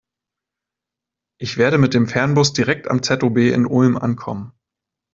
Ich werde mit dem Fernbus direkt am ZOB in Ulm ankommen.